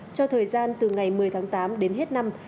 cho thời gian từ ngày một mươi tháng tám đến hết năm